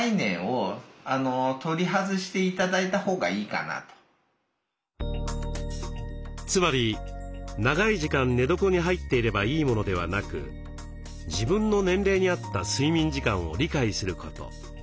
だから自分の意識の中でつまり長い時間寝床に入っていればいいものではなく自分の年齢に合った睡眠時間を理解すること。